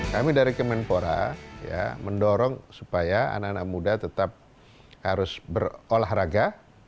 kami dari kemenpora mendorong supaya anak anak muda tetap harus berolahraga